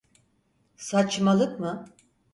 Saçmalık mı?